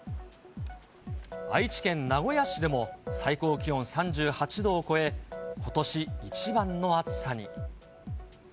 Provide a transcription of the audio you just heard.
愛知県名古屋市でも、最高気温３８度を超え、ことし一番の暑さに。